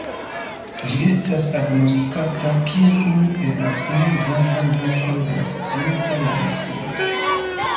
Ĝi estas agnoskata kiel unu el la plej gravaj verkoj de la Scienca revolucio.